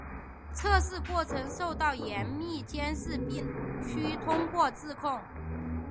测试过程受到严密监视并须通过质控。